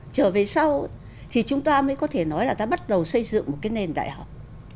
trở về sau thì chúng ta mới có thể nói là ta bắt đầu xây dựng một cái nền đại học